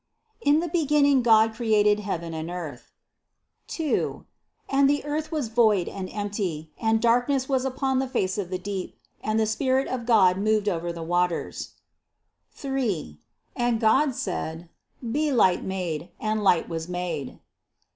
"In the beginning God created heaven and earth. 2. "And the earth was void and empty, and dark ness was upon the face of the deep; and the spirit of God moved over the waters. 3. "And God said : Be light made. And light was made.